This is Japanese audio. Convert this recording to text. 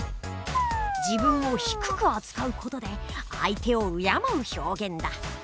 自分を低く扱う事で相手を敬う表現だ。